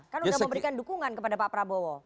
kan sudah memberikan dukungan kepada pak prabowo